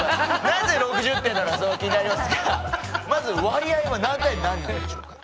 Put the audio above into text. なぜ６０点なのか気になりますがまず割合は何対何なんでしょうか？